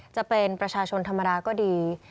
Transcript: จะเป็นประชาชนธรรมดาก็ดี